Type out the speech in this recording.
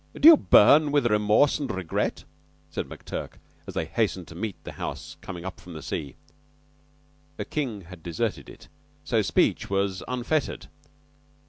Do you burn with remorse and regret?" said McTurk, as they hastened to meet the house coming up from the sea. King had deserted it, so speech was unfettered.